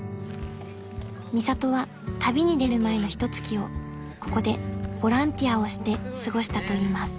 ［ミサトは旅に出る前のひと月をここでボランティアをして過ごしたといいます］